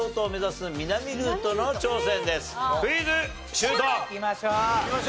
シュート！